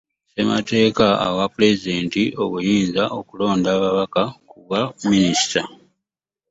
Ssemateeka awa pulezidenti obuyinza okulonda ababaka ku bwa minisita.